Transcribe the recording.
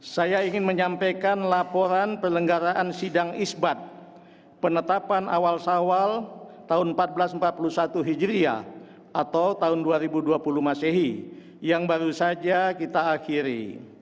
saya ingin menyampaikan laporan perlenggaraan sidang isbat penetapan awal sawal tahun seribu empat ratus empat puluh satu hijriah atau tahun dua ribu dua puluh masehi yang baru saja kita akhiri